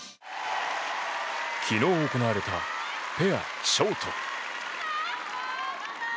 昨日、行われたペアショート。